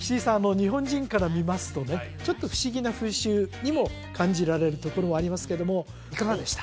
日本人から見ますとねちょっと不思議な風習にも感じられるところはありますけどいかがでした？